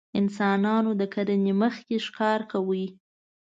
انسانانو د کرنې مخکې ښکار کاوه.